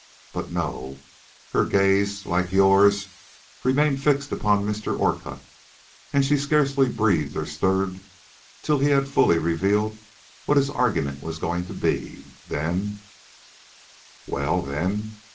But no; her gaze, like yours, remained fixed upon Mr. Orcutt, and she scarcely breathed or stirred till he had fully revealed what his argument was going to be. Then " "Well, then?"